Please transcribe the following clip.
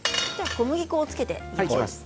小麦粉をつけていきます。